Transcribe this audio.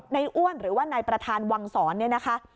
อ้วนหรือว่านายประธานวังศรเนี่ยนะคะ